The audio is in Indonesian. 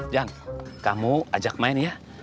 jang kamu ajak main ya